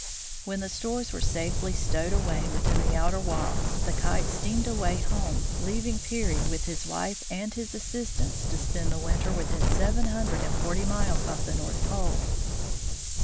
When the stores were safely stowed away within the outer wall, the Kite steamed away home, leaving Peary, with his wife and his assistants, to spend the winter within seven hundred and forty miles of the North Pole.